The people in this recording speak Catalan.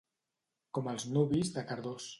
Com els nuvis de Cardós.